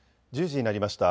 １０時になりました。